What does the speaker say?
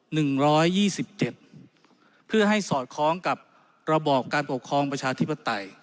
หนึ่งร้อยยี่สิบเจ็ดเพื่อให้สอดคล้องกับระบอบการปกครองประชาธิปไตย